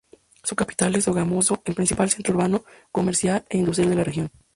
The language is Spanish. Su capital es Sogamoso, el principal centro urbano, comercial e industrial de la región.